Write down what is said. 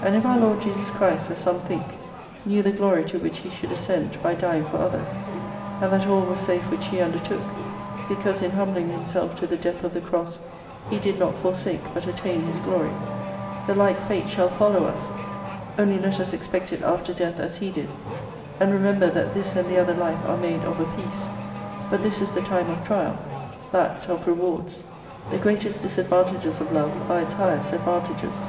And if our Lord Jesus Christ, as some think, knew the glory to which He should ascend, by dying for others, and that all was safe which He undertook, because in humbling Himself to the death of the cross He did not forsake but attain His glory : The like fate shall follow us, only let us expect it after death as He did : and remember that this and the other life are made of a piece, but this is the time of trial, that, of rewards. The greatest disadvantages of love are its highest advantages.